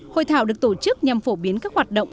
hội thảo được tổ chức nhằm phổ biến các hoạt động